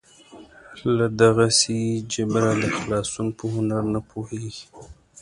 له دغسې جبره د خلاصون په هنر نه پوهېږي.